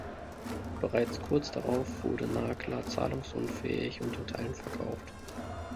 Bereits kurz darauf wurde Nagler zahlungsunfähig und in Teilen verkauft.